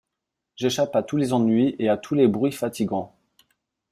J'échappe à tous les ennuis et à tous les bruits fatigants.